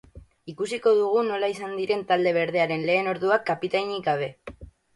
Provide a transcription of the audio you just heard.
Ikusiko dugu nola izan diren talde berdearen lehen orduak kapitainik gabe.